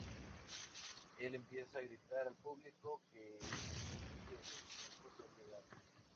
Él empieza a gritar al público que el fin de los tiempos ha llegado.